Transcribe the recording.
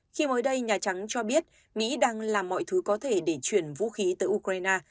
khi mới đây nhà trắng cho biết mỹ đang làm mọi thứ có thể để chuyển vũ khí tới ukraine